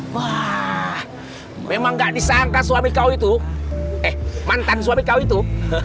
wah memang gak disangka suami kau itu eh mantan suami kau itu